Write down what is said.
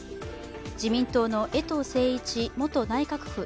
自民党の衛藤晟一元内閣府